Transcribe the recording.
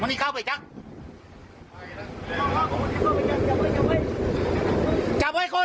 มันนี่เข้าไปจักรจับไว้